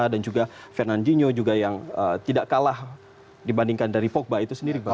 dan juga fernandinho juga yang tidak kalah dibandingkan dari pogba itu sendiri